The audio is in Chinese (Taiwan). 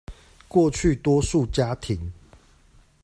過去多數家庭